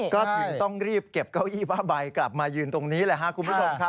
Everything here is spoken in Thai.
ก็ถึงต้องรีบเก็บเก้าอี้ผ้าใบกลับมายืนตรงนี้แหละครับคุณผู้ชมครับ